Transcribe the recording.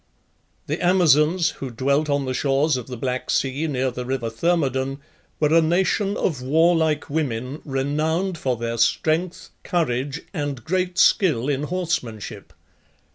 The Amazons, who dwelt on the shores of the Black Sea, near the river Thermodon, were a nation of warlike women, renowned for their strength, courage, and great skill in horsemanship.